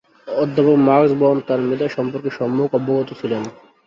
অধ্যাপক Max Born তার মেধা সম্পর্কে সম্যক অবগত ছিলেন।